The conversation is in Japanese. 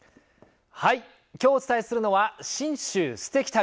今日お伝えするのは「信州すてき旅」。